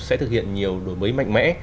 sẽ thực hiện nhiều đổi mới mạnh mẽ